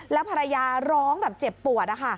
แล้วภรรยาร้องแบบเจ็บปวด